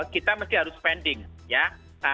kita mesti harus spending ya